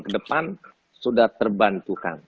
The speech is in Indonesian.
kedepan sudah terbantukan